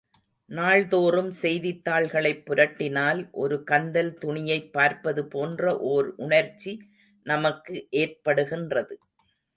நாள்தோறும் செய்தித் தாள்களைப் புரட்டினால், ஒரு கந்தல் துணியைப் பார்ப்பது போன்ற ஒர் உணர்ச்சி நமக்கு ஏற்படுகின்றது.